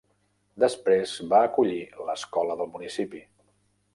Després va acollir l'escola del municipi.